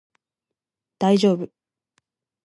大丈夫